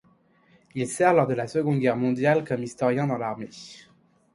Il sert lors de la Seconde Guerre mondiale comme historien dans l'armée.